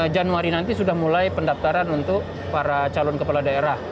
januari nanti sudah mulai pendaftaran untuk para calon kepala daerah